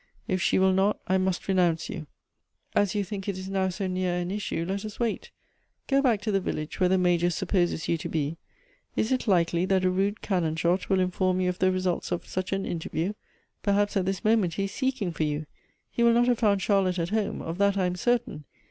If she will not I must renounce you. As you think it is now so near an issue, let us wait. Go back to the village, where the Major supposes you to be. Is it likely that a rude cannon shot will inform you of the results of such an intemew? Perhaps at this moment he is seeking for you. He will not have found Charlotte at home ; of that I am certain.